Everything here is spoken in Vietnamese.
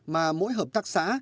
mà mỗi hợp tác xã